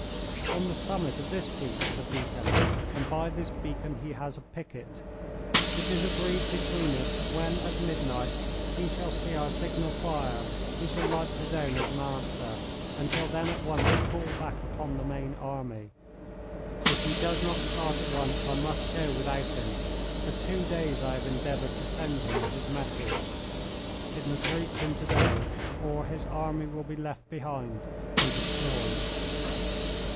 On the summit of this peak is a beacon, and by this beacon he has a picket. It is agreed between us that when at midnight he shall see our signal fire he shall light his own as an answer, and shall then at once fall back upon the main army. If he does not start at once I must go without him. For two days I have endeavoured to send him his message. It must reach him to day, or his army will be left behind and destroyed."